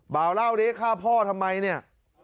เบาเล่าดิฆ่าพ่อทำไมเนี่ย